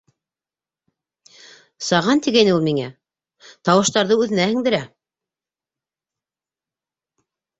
- Саған, тигәйне ул миңә, тауыштарҙы үҙенә һеңдерә.